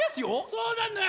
そうなんだよ。